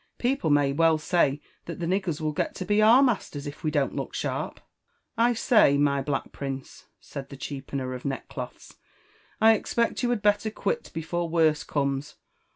People may well say that the niggers will get to be our masters if we don't look sharp." •'I say, my black prince," said the cheapener of neckcloths, '• I expect you had belter quit before worse comes.